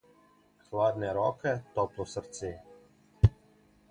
Hladne roke, toplo srce.